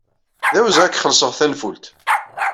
D awezɣi ad ak-xellṣeɣ tanfult.